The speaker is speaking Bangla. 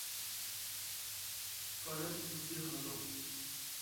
প্রজাতি দুটি হলও,